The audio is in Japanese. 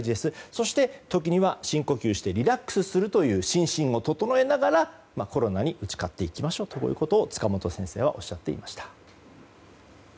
そして、時には深呼吸してリラックスするという心身を整えながらコロナに打ち勝っていきましょうと塚本教授はおっしゃっていました。